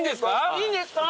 いいんですか？